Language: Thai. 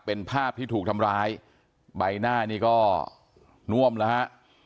เป็นภาพที่ถูกทำร้ายใบหน้านี่ก็น่วมแล้วฮะ